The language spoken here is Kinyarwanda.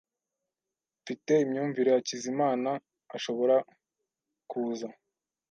Mfite imyumvire Hakizimana ashobora kuza.